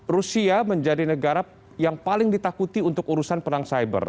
rusia menjadi negara yang paling ditakuti untuk urusan perang cyber